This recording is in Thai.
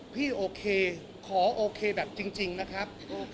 พี่โอเคขอโอเคแบบจริงนะครับ